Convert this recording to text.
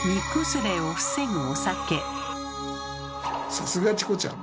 さすがチコちゃん。